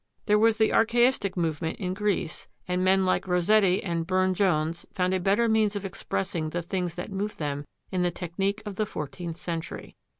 There was the Archaistic movement in Greece, and men like Rossetti and Burne Jones found a better means of expressing the things that moved them in the technique of the fourteenth century.